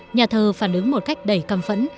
nhà thờ phản ứng một cách đầy căm phẫn